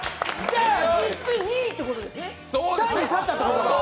じゃ実質２位ってことですね。